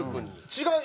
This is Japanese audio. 違う。